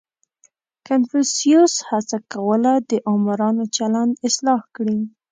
• کنفوسیوس هڅه کوله، د آمرانو چلند اصلاح کړي.